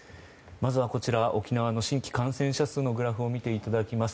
まずはこちら沖縄の新規感染者数のグラフを見ていただきます。